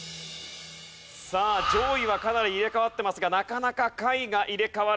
さあ上位はかなり入れ替わっていますがなかなか下位が入れ替わらない。